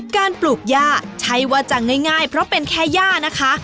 ปลูกย่าใช่ว่าจะง่ายเพราะเป็นแค่ย่านะคะ